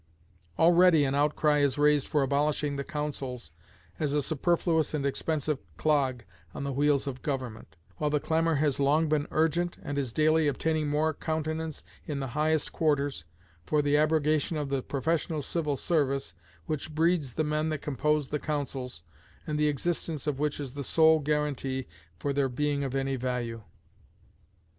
Already an outcry is raised for abolishing the councils as a superfluous and expensive clog on the wheels of government; while the clamor has long been urgent, and is daily obtaining more countenance in the highest quarters, for the abrogation of the professional civil service, which breeds the men that compose the councils, and the existence of which is the sole guaranty for their being of any value.